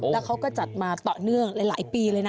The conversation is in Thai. แล้วเขาก็จัดมาต่อเนื่องหลายปีเลยนะ